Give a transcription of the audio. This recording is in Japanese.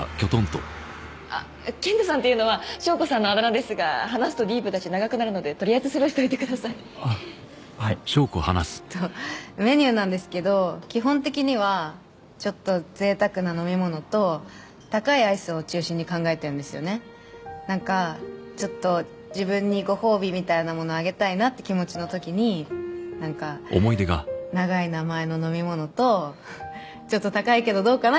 あっケンタさんっていうのは翔子さんのあだ名ですが話すとディープだし長くなるのでとりあえずスルーしといてくださいあっはいえっとメニューなんですけど基本的にはちょっと贅沢な飲み物と高いアイスを中心に考えてるんですよねなんかちょっと自分にご褒美みたいなものあげたいなって気持ちのときになんか長い名前の飲み物とちょっと高いけどどうかな？